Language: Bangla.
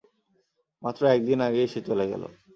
মাত্র একদিনে আগেই সে চলে গেল।